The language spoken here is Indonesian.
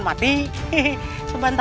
mari ibu nda